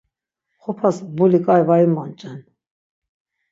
Xopas mbuli k̆ai var imonç̆en.